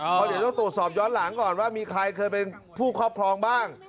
เพราะเดี๋ยวต้องตรวจสอบย้อนหลังก่อนว่ามีใครเคยเป็นผู้ครอบครองบ้าง